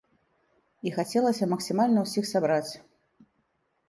І хацелася максімальна ўсіх сабраць.